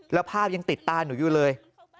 แล้วภาพยังติดตาหนูอยู่เลย